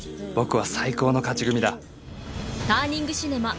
僕は最高の勝ち組だターニング